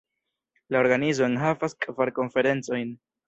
La organizo enhavas kvar konferencojn.